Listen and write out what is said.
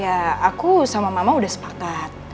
ya aku sama mama udah sepakat